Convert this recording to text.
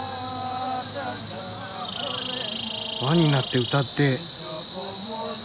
輪になって歌って。